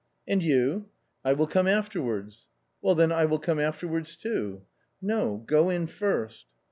"And you?" " I will come afterwards." " Well, then, I will come afterwards too." " No, go in first."